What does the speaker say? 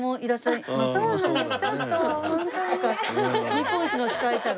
日本一の司会者が。